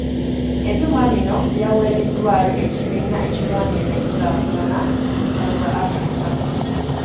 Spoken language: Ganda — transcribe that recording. Ebyuma bino byaweereddwayo Ekibiina ekirwanirira enkulaakulana ku lukalu lwa Africa.